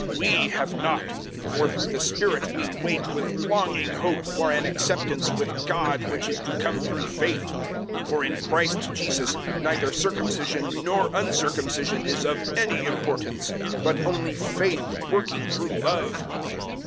005:005 *We* have not, for through the Spirit we wait with longing hope for an acceptance with God which is to come through faith. 005:006 For in Christ Jesus neither circumcision nor uncircumcision is of any importance; but only faith working through love.